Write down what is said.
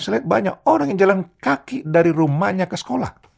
saya lihat banyak orang yang jalan kaki dari rumahnya ke sekolah